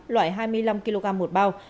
loại hai mươi năm kg một bao